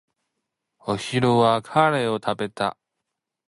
お昼はカレーを食べた。